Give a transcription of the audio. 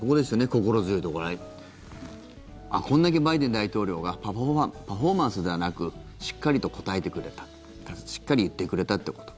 これだけバイデン大統領がパフォーマンスではなくしっかりと答えてくれたしっかり言ってくれたということ。